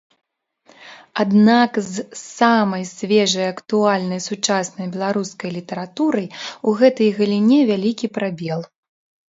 Аднак з самай свежай актуальнай сучаснай беларускай літаратурай у гэтай галіне вялікі прабел.